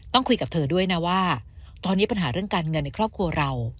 คุยกับเธอด้วยนะว่าตอนนี้ปัญหาเรื่องการเงินในครอบครัวเรา